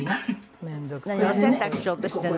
お洗濯しようとしてるの？